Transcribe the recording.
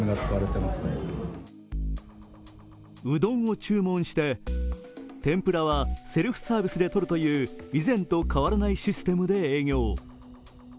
うどんを注文して天ぷらはセルフサービスで取るという以前と変わらないシステムで営業。